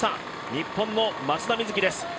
日本の松田瑞生です。